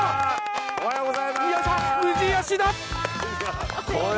おはようございますよいしょ